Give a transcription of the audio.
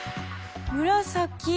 紫。